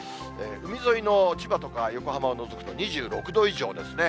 海沿いの千葉とか横浜を除くと２６度以上ですね。